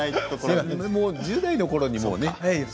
１０代のころにもうね。